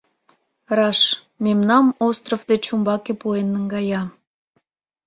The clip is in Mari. Раш: мемнам остров деч умбаке пуэн наҥгая.